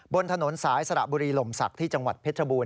บนถนนสายสระบุรีลมศักดิ์ที่จังหวัดเพชรบูร